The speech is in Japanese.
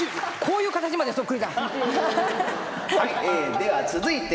では続いて